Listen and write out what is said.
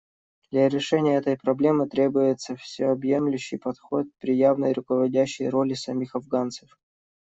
Для решения этой проблемы требуется всеобъемлющий подход при явной руководящей роли самих афганцев.